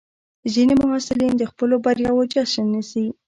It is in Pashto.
ځینې محصلین د خپلو بریاوو جشن نیسي.